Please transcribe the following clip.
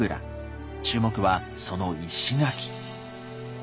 注目はその石垣。